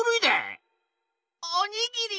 おにぎり！